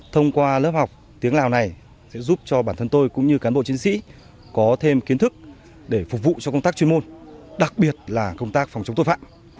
thông qua lớp học tiếng lào này sẽ giúp cho bản thân tôi cũng như cán bộ chiến sĩ có thêm kiến thức để phục vụ cho công tác chuyên môn đặc biệt là công tác phòng chống tội phạm